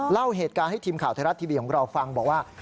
เล่าเหตุการณ์ให้ทีมข่าวไทยรัฐทีวีของเราฟังบอกว่า